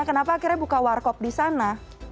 kenapa akhirnya buka warkop di sana